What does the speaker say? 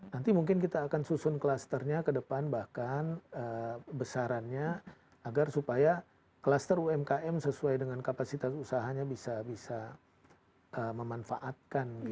nanti mungkin kita akan susun klasternya ke depan bahkan besarannya agar supaya kluster umkm sesuai dengan kapasitas usahanya bisa memanfaatkan